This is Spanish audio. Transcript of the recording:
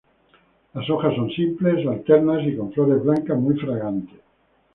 Las hojas son simples, alternas y con flores blancas muy fragantes.